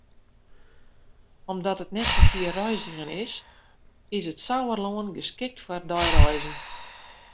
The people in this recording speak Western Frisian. Omdat it net sa fier reizgjen is, is it Sauerlân geskikt foar deireizen.